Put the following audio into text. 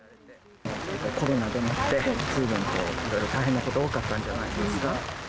コロナでもって、ずいぶん大変なこと多かったんじゃないですか。